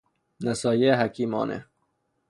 نصایح حکیمانه